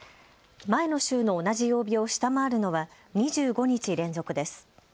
前の週の同じ曜日を下回るのは２５日連続です。